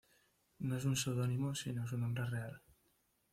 No es un seudónimo sino su nombre real.